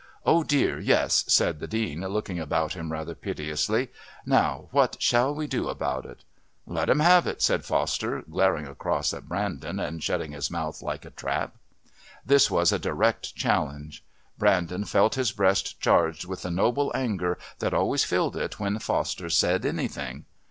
"Oh, dear, yes," said the Dean, looking about him rather piteously. "Now what shall we do about it?" "Let 'em have it," said Foster, glaring across at Brandon and shutting his mouth like a trap. This was a direct challenge. Brandon felt his breast charged with the noble anger that always filled it when Foster said anything.